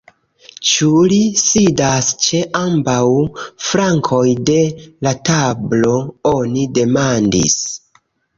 Ĉu li sidas ĉe ambaŭ flankoj de la tablo, oni demandis.